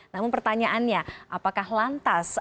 namun pertanyaannya apakah lantas